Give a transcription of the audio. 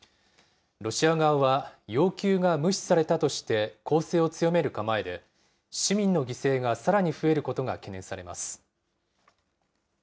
ロシア側は、要求が無視されたとして、攻勢を強める構えで、市民の犠牲がさらに増えることが懸念されます。